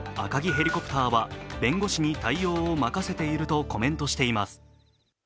ヘリコプターは弁護士に対応を任せているとコメントしています。